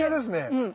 うん。